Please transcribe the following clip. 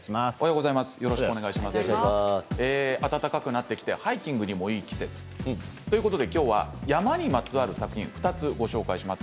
暖かくなってきてハイキングにもいい季節ということで、今日は山にまつわる作品２つご紹介します。